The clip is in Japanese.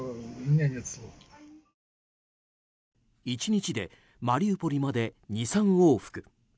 １日でマリウポリまで２３往復。